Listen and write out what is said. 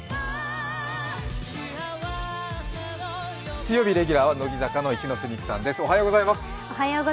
水曜日レギュラーは乃木坂の一ノ瀬美空さんです。